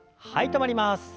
止まります。